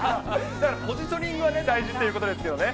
ポジショニングが大事ということですね。